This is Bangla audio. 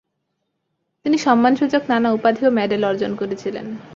তিনি সম্মানসূচক নানা উপাধি ও মেডেল অর্জন করেছিলেন।